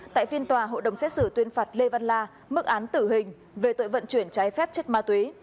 tại phiên tòa hội đồng xét xử tuyên phạt lê văn la mức án tử hình về tội vận chuyển trái phép chất ma túy